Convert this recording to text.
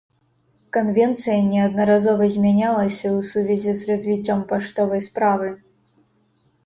Канвенцыя неаднаразова змянялася ў сувязі з развіццём паштовай справы.